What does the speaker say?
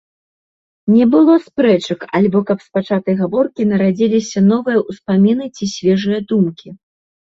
Не было спрэчак альбо каб з пачатай гаворкі нарадзіліся новыя ўспаміны ці свежыя думкі.